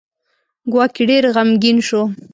ګواکې ډېر غمګین شو.